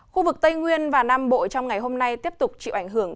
khu vực tây nguyên và nam bộ trong ngày hôm nay tiếp tục chịu ảnh hưởng